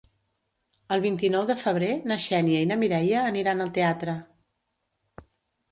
El vint-i-nou de febrer na Xènia i na Mireia aniran al teatre.